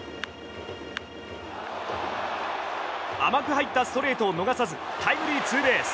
甘く入ったストレートを逃さずタイムリーツーベース。